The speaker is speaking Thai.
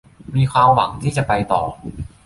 มีความหวังที่จะไปต่อ